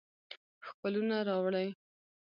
ښکلونه راوړي